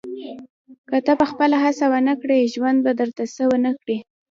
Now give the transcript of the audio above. • که ته خپله هڅه ونه کړې، ژوند به درته څه ونه کړي.